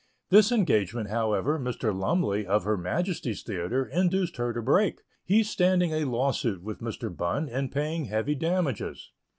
This engagement, however, Mr. Lumley, of Her Majesty's Theatre, induced her to break, he standing a lawsuit with Mr. Bunn, and paying heavy damages.